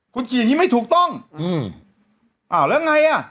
คุณขี่อีงวิไม่ถูกต้องอืมแล้วอะไรอ่ะ